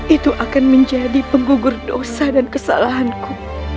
itu akan menjadi penggugur dosa dan kesalahanku